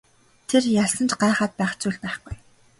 Тэр ялсан ч гайхаад байх зүйл байхгүй.